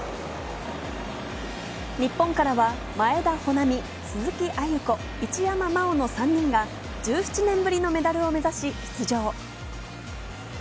日本からは前田穂南、鈴木亜由子、一山麻緒の３人が１７年ぶりのメダルを目指し、出場。